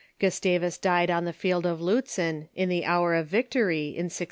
Gustavus died on the field of Liitzen, in the hour of victory, in 1632.